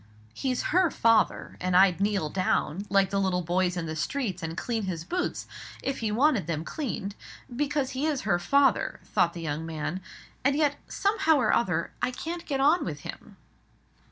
"He's her father, and I'd kneel down, like the little boys in the streets, and clean his boots, if he wanted them cleaned, because he is her father," thought the young man; "and yet, somehow or other, I can't get on with him."